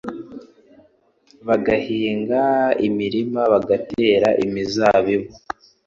bagahinga imirima bagatera imizabibu